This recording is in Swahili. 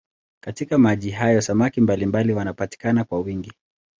Katika maji hayo samaki mbalimbali wanapatikana kwa wingi.